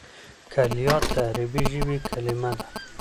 کلیات د عربي ژبي کليمه ده.